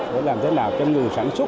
để làm thế nào cho người sản xuất